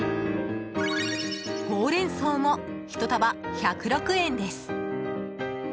ホウレンソウも１束１０６円です。